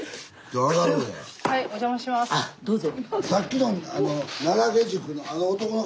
あどうぞ。